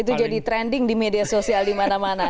itu jadi trending di media sosial dimana mana